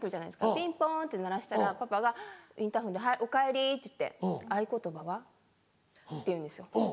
ピンポンって鳴らしたらパパがインターホンで「おかえり。合言葉は？」って言うんですよ。